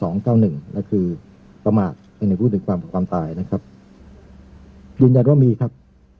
นั่นคือประมาทในภูติความความตายนะครับยืนยันว่ามีครับ